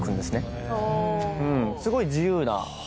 すごい自由な。